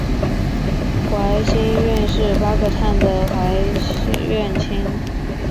环辛烷是八个碳的环烷烃。